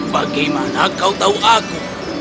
bagaimana kau tahu aku